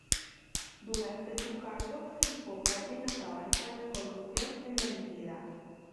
Durante su cargo, se enfocó en acabar con la corrupción en la Entidad.